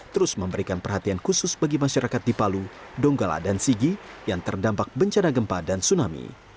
terus memberikan perhatian khusus bagi masyarakat di palu donggala dan sigi yang terdampak bencana gempa dan tsunami